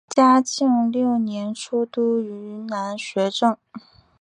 嘉庆六年出督云南学政。